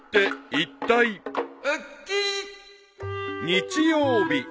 ［日曜日］